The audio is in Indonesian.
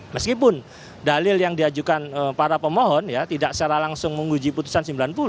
meskipun dalil yang diajukan para pemohon ya tidak secara langsung menguji putusan sembilan puluh